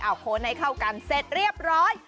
เอาค้นให้เข้ากันเสร็จเรียบร้อย